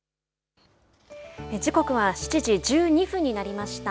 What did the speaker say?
時刻は７時１２分になりました。